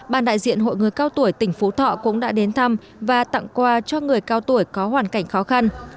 ban đại diện hội người cao tuổi tỉnh phú thọ cũng đã đến thăm và tặng quà cho người cao tuổi có hoàn cảnh khó khăn